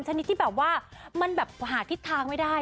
ชนิดที่แบบว่ามันแบบหาทิศทางไม่ได้